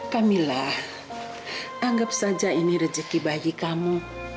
kamilah anggap saja ini rezeki bagi kamu